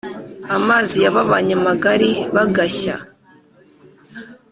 amazi yababanye magari bagashya